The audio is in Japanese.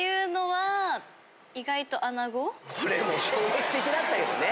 これもう衝撃的だったよね。